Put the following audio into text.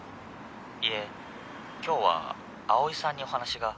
☎いえ今日は青井さんにお話が。